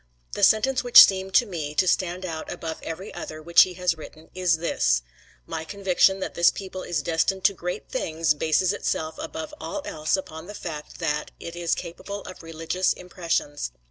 The sentence which seemed to me to stand out above every other which he has written is this: "My conviction that this people is destined to great things bases itself above all else upon the fact, that it is capable of religious impressions."